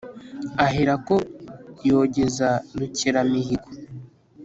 ahera ko yogeza rukeramihigo;